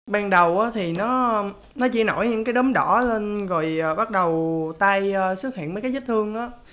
ban đầu thì nó chỉ nổi những cái đốm đỏ lên rồi bắt đầu tay xuất hiện mấy cái vết thương đó